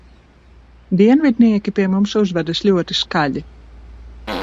Dienvidnieki pie mums uzvedas ļoti skaļi.